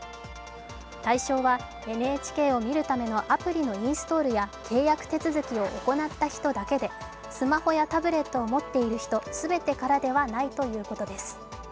対象はＮＨＫを見るためのアプリのインストールや契約手続きを行った人だけで、スマホやタブレットを持っている人全てからではないということです。